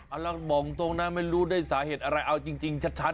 เอาล่ะบอกตรงนะไม่รู้ได้สาเหตุอะไรเอาจริงชัด